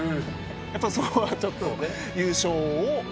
やっぱりそこはちょっと優勝を。